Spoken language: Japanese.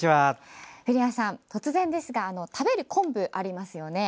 古谷さん、突然ですが食べる昆布ありますよね。